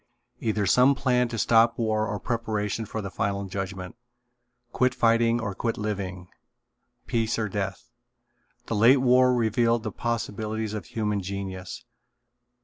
Either some plan to stop war or preparation for the final judgment. Quit fighting or quit living. Peace or death. The late war revealed the possibilities of human genius.